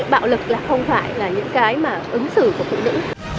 bạo lực là không phải những cái ứng xử của phụ nữ